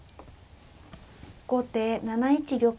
後手７一玉。